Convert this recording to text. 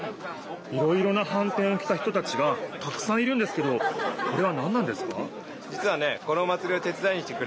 いろいろなはんてんをきた人たちがたくさんいるんですけどこれはなんなんですか？